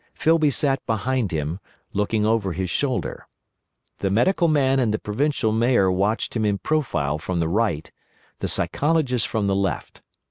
Filby sat behind him, looking over his shoulder. The Medical Man and the Provincial Mayor watched him in profile from the right, the Psychologist from the left.